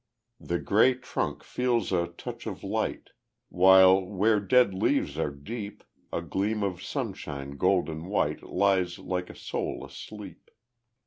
The gray trunk feels a touch of light, While, where dead leaves are deep, A gleam of sunshine golden white Lies like a soul asleep.